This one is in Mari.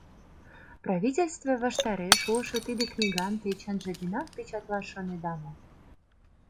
— Павительстве ваштареш улшо тиде книгам те чынже денак печатлаш шонеда мо?